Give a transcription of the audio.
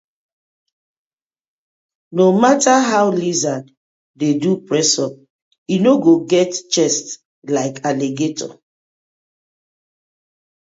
No matter how lizard dey do press up e no go get chest like alligator: